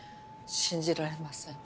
信じられません。